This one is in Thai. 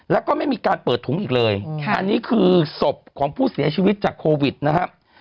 แล้วก็ไม่มีการเปิดถุงอีกเลยอันนี้คือศพของผู้เสียชีวิตจากโควิดนะครับ